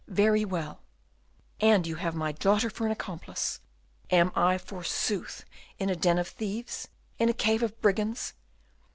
very well! And you have my daughter for an accomplice. Am I, forsooth, in a den of thieves, in a cave of brigands?